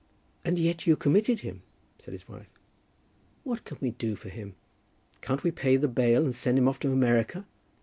"And yet you committed him," said his wife. "What can we do for him? Can't we pay the bail, and send him off to America?"